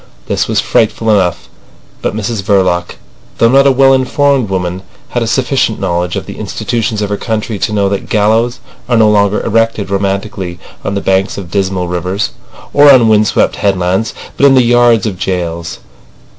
This was frightful enough, but Mrs Verloc, though not a well informed woman, had a sufficient knowledge of the institutions of her country to know that gallows are no longer erected romantically on the banks of dismal rivers or on wind swept headlands, but in the yards of jails.